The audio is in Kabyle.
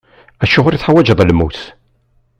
Acuɣer i teḥwaǧeḍ lmus?